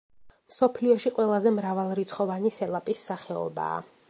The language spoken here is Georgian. მსოფლიოში ყველაზე მრავალრიცხოვანი სელაპის სახეობაა.